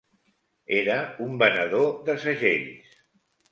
Era un venedor de segells.